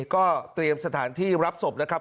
ก็เตรียมสถานที่รับศพนะครับ